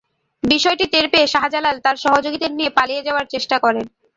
বিষয়টি টের পেয়ে শাহজালাল তাঁর সহযোগীদের নিয়ে পালিয়ে যাওয়ার চেষ্টা করেন।